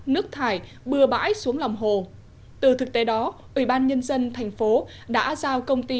nước thải bừa bãi xuống lòng hồ từ thực tế đó ủy ban nhân dân thành phố đã giao công ty